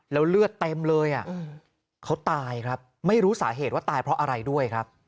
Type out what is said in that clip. แล้วเลือดเต็มเลยเขาตายครับไม่รู้สาเหตุว่าตายเพราะอะไรด้วยครับ